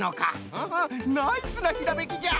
うんうんナイスなひらめきじゃ！